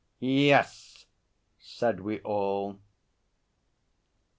'Yes!' said we all.